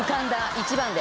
１番で。